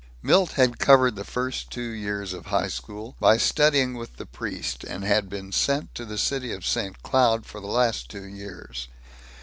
Milt had covered the first two years of high school by studying with the priest, and been sent to the city of St. Cloud for the last two years.